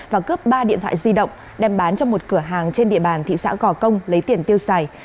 và cướp ba điện thoại di động đem bán cho một cửa hàng trên địa bàn thị xã gò công lấy tiền tiêu xài